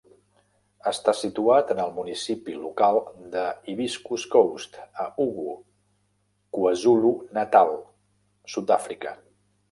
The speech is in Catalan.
Està situat en el Municipi Local de Hibiscus Coast a Ugu, KwaZulu-Natal, Sudàfrica.